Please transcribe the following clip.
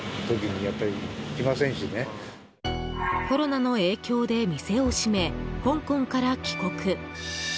コロナの影響で店を閉め香港から帰国。